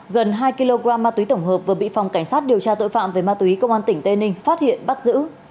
gần hai kg ma túy tổng hợp vừa bị phòng cảnh sát điều tra tội phạm về ma túy công an tỉnh tây ninh phát hiện bắt giữ